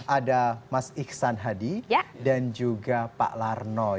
ada mas iksan hadi dan juga pak larno